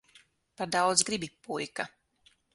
Par daudz gribi, puika.